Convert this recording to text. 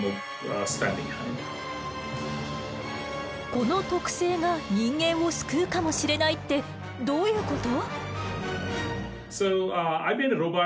この特性が人間を救うかもしれないってどういうこと？